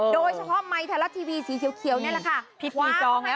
โดยชอบไมค์ทะละทีพีสีเขียวนี่แหละค่ะ